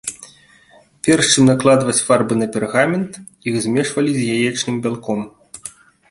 Перш чым накладваць фарбы на пергамент, іх змешвалі з яечным бялком.